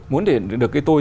muốn thể hiện được cái tôi